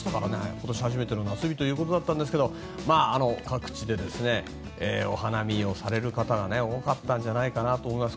今年初めての夏日ということだったんですが各地でお花見をされる方が多かったと思います。